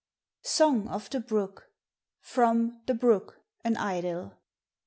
SOXG OF THE BROOK. ." FROM " THE BROOK : AN IDYL.